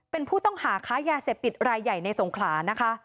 เป็นผู้ต้องหาค้ายาเสพติดรายใหญ่ในสงขลานะคะ